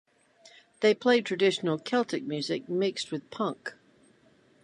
They played traditional Celtic music mixed with punk.